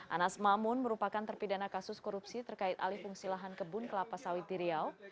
anas mamun merupakan terpidana kasus korupsi terkait alih fungsi lahan kebun kelapa sawit di riau